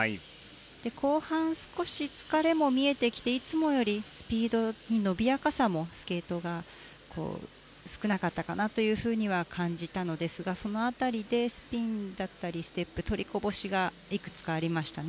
後半、少し疲れも見えてきていていつもよりスピードに伸びやかさもスケートが少なかったかなというふうには感じたのですがその辺りでスピンだったりステップ取りこぼしがいくつかありましたね。